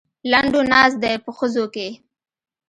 لنډو ناست دی په خزو کې.